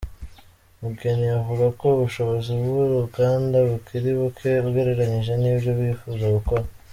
Mugeni avuga ko ubushobozi bw’uruganda bukiri buke ugereranyije n’ibyo bifuza gukora.